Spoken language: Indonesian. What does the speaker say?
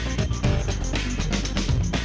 aku mau lihat